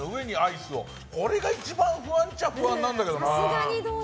これが一番不安っちゃ不安なんだよな。